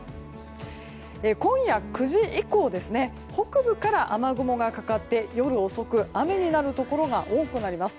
今夜９時以降北部から雨雲がかかって夜遅く雨になるところが多くなります。